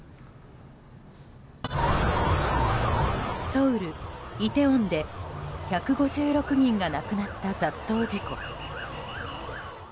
ソウル・イテウォンで１５６人が亡くなった雑踏事故。